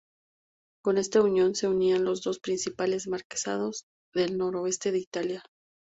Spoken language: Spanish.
Con esta unión se unían los dos principales marquesados del noroeste de Italia.